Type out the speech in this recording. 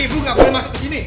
eh ibu gak boleh masuk ke sini